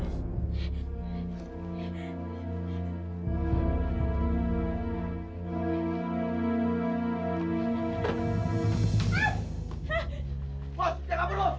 gimana gimana ya kejar juga masuk mobil